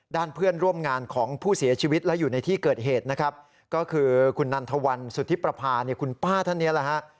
เพื่อนร่วมงานของผู้เสียชีวิตและอยู่ในที่เกิดเหตุนะครับก็คือคุณนันทวันสุธิประพาเนี่ยคุณป้าท่านนี้แหละฮะ